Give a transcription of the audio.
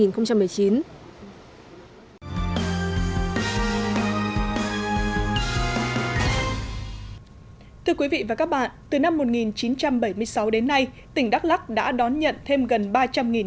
thưa quý vị và các bạn từ năm một nghìn chín trăm bảy mươi sáu đến nay tỉnh đắk lắc đã đón nhận thêm gần